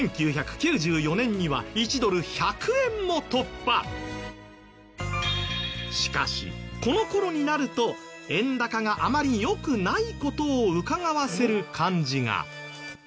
更にしかしこの頃になると円高があまり良くない事をうかがわせる感じが。